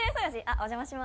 お邪魔します。